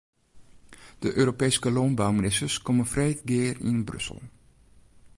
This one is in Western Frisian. De Europeeske lânbouministers komme freed gear yn Brussel.